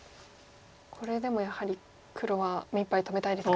これでもやはり黒は目いっぱい止めたいですか。